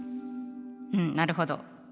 うんなるほど。